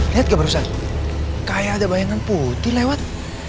lihat gak barusan kayak ada bayangan putih lewat